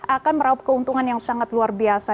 akan meraup keuntungan yang sangat luar biasa